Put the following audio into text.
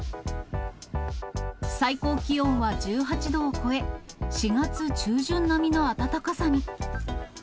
最高気温は１８度を超え、４月中旬並みの暖かさに。